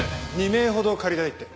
２名ほど借りたいって。